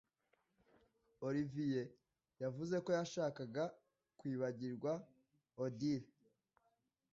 Olivier yavuze ko yashakaga kwibagirwa Odile.